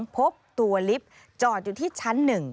พบตัวลิฟต์จอดอยู่ที่ชั้น๑